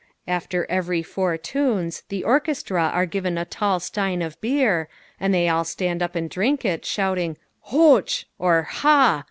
After every four tunes the Orchestra are given a tall stein of beer, and they all stand up and drink it, shouting "Hoch!" or "Ha!"